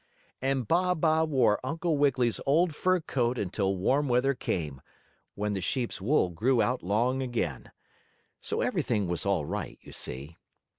And Baa baa wore Uncle Wiggily's old fur coat until warm weather came, when the sheep's wool grew out long again. So everything was all right, you see.